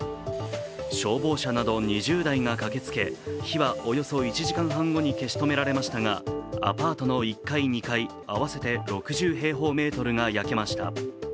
消防車など２０台が駆けつけ、火はおよそ１時間半後に消し止められましたが、アパートの１階、２階合わせて６０平方メートルが焼けました。